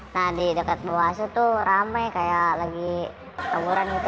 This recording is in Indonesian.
nah di dekat bawah aset tuh rame kayak lagi tawuran gitu